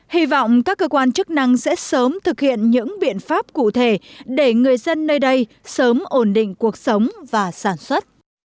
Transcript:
hy vọng các cơ quan chức năng sẽ sớm thực hiện những biện pháp cụ thể để người dân nơi đây sớm ổn định cuộc sống và sản xuất